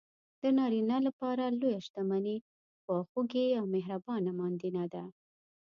د نارینه لپاره لویه شتمني خواخوږې او مهربانه ماندینه ده.